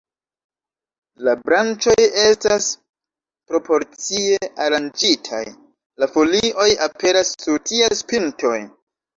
La branĉoj estas proporcie aranĝitaj, la folioj aperas sur ties pintoj.